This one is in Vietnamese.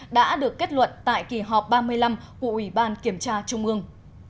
đã được kết luận tại kỳ họp ba mươi năm của ủy ban kiểm tra trung ương